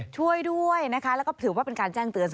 ช่วยด้วยนะคะแล้วก็ถือว่าเป็นการแจ้งเตือน